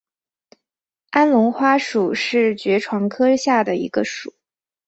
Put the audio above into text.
安龙花属是爵床科下的一个属。